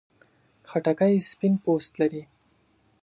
خټکی سپین پوست لري.